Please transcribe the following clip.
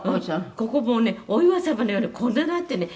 「ここもうねお岩様のようにこんなになってね